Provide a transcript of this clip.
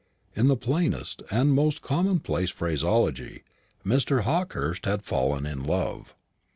In the plainest and most commonplace phraseology, Mr. Hawkehurst had fallen in love.